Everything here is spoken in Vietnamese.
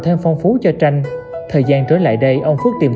thêm phong phú cho tranh thời gian trở lại đây ông phước tìm